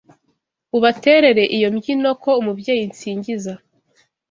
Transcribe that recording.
Ubaterere iyo mbyino Ko Umubyeyi nsingiza